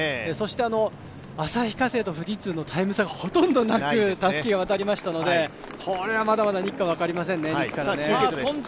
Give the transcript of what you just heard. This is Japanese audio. そして旭化成の富士通のタイム差がほとんどなくたすきが渡りましたのでこれはまだまだ２区から分かりませんね。